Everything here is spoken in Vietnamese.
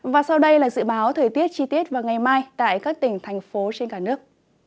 và sau đây là dự báo thời tiết chi tiết vào ngày mai tại các tỉnh thành phố trên cả nước